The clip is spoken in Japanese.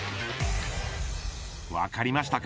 分かりましたか。